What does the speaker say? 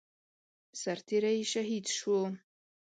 سرتيری شهید شو